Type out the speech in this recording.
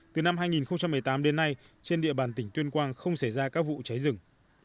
từ năm hai nghìn một mươi tám đến nay trên địa bàn tỉnh tuyên quang không xảy ra các vụ cháy rừng